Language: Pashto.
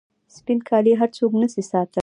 سپین کالي هر څوک نسي ساتلای.